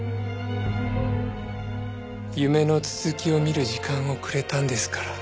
夢の続きを見る時間をくれたんですから。